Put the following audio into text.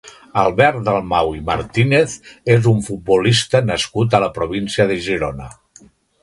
Albert Dalmau i Martínez és un futbolista nascut a la província de Girona.